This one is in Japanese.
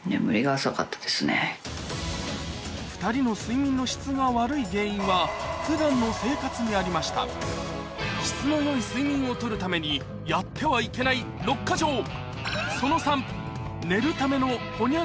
２人の睡眠の質が悪い原因は普段の生活にありました質の良い睡眠をとるためにでは長谷川ミラ君に一体何でしょう？